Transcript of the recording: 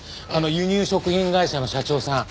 輸入食品会社の社長さん。